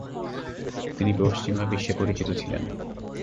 তিনি পশ্চিমা বিশ্বে পরিচিত ছিলেন।